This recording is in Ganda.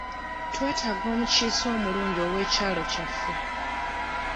Twetaaga omukiise omulungi ow'ekyalo kyaffe.